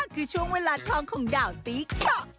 คือช่วงเวลาทองของดาวตีเกาะ